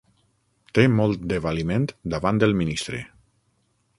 Té molt de valiment davant el ministre.